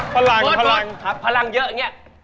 พลังพลังเยอะเนี้ย